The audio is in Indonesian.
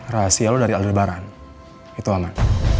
rahasia lo dari aldebaran itu aman